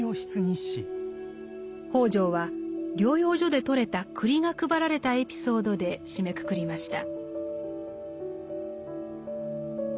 北條は療養所で採れた栗が配られたエピソードで締めくくりました。